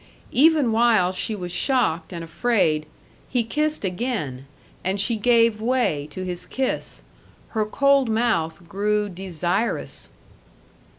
Even while she was shocked and afraid, he kissed again, and she gave way to his kiss; her cold mouth grew desirous.